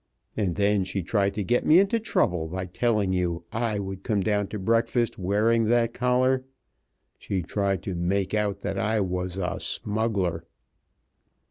And then she tried to get me into trouble by telling you I would come down to breakfast wearing that collar. She tried to make out that I was a smuggler."